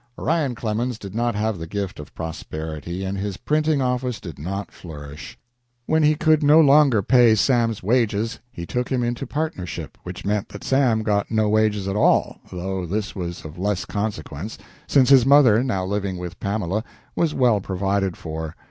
Orion Clemens did not have the gift of prosperity, and his printing office did not flourish. When he could no longer pay Sam's wages he took him into partnership, which meant that Sam got no wages at all, though this was of less consequence, since his mother, now living with Pamela, was well provided for.